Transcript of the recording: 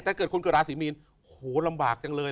แต่เกิดคนเกิดราศีมีนโอ้โหลำบากจังเลย